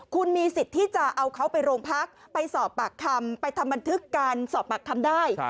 คุณมีสิทธิ์ที่จะเอาเขาไปโรงพักไปสอบปากคำไปทำบันทึกการสอบปากคำได้